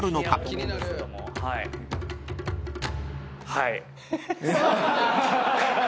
はい。